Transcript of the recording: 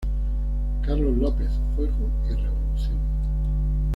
Carlos López: ""Juego y revolución.